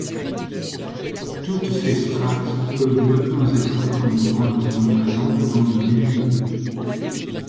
Toutes ces strates peuvent ne pas être conjointement présentes dans un milieu.